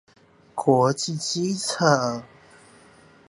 國際機場